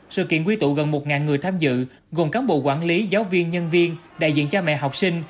sự kiện quy tụ gần một người tham dự gồm cán bộ quản lý giáo viên nhân viên đại diện cha mẹ học sinh